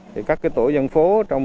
thì các cái tổ dân phố trong